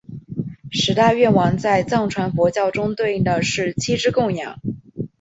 十大愿王在藏传佛教中对应的是七支供养。